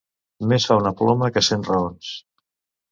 Més fa una ploma que cent raons.